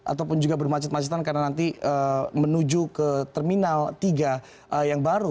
ataupun juga bermacet macetan karena nanti menuju ke terminal tiga yang baru